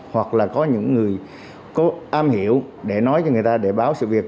hoặc là có những người có am hiểu để nói cho người ta để báo sự việc